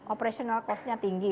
operasional cost nya tinggi